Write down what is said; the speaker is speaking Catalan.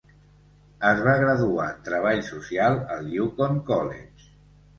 Es va graduar en Treball Social al Yukon College.